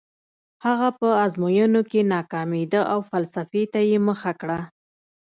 هغه په ازموینو کې ناکامېده او فلسفې ته یې مخه کړه